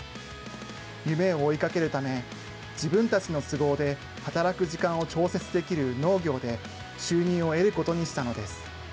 夢を追いかけるため、自分たちの都合で働く時間を調節できる農業で、収入を得ることにしたのです。